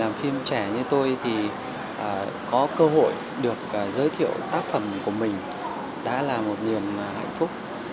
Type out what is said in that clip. làm phim trẻ như tôi thì có cơ hội được giới thiệu tác phẩm của mình đã là một niềm hạnh phúc